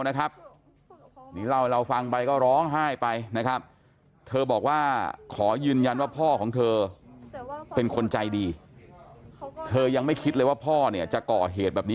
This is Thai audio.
ใจดีค่ะอืมแล้วเรารักคุณถ้าหรือไม่ว่าใจดีอ่ะทุกคนอืมอืม